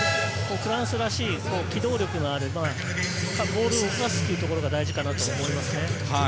フランスらしい機動力のあるボールを動かすというところが大事かなと思いますね。